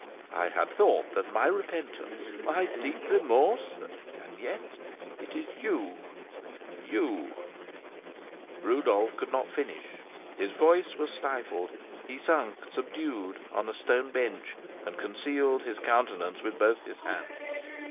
I had thought that my repentance my deep remorse and yet it is you you " Rodolph could not finish; his voice was stifled; he sunk, subdued, on a stone bench, and concealed his countenance with both his hands.